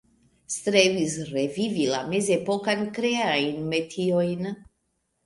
Strebis revivigi la mezepokajn kreajn metiojn.